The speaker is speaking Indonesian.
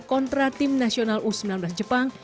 kontra tim nasional u sembilan belas jepang